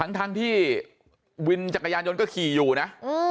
ทั้งที่วินจักรยานยนต์ก็ขี่อยู่นะ